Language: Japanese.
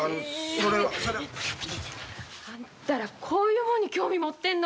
それは。あんたらこういうもんに興味持ってんの？